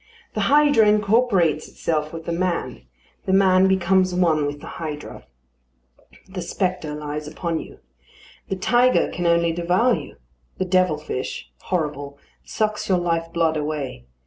The hydra incorporates itself with the man; the man becomes one with the hydra. The spectre lies upon you: the tiger can only devour you; the devil fish, horrible, sucks your life blood away.